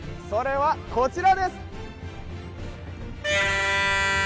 それはこちらです。